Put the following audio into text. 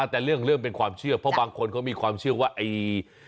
แต่เรื่องเป็นความเชื่อเพราะบางคนเขามีความเชื่อว่าไอ้